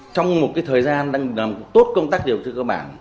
trong một thời gian đang làm tốt công tác điều trị cơ bản